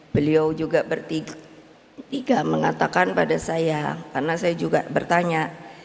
beliau juga bertiga mengatakan pada saya karena saya juga bertanya